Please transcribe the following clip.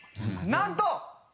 なんと！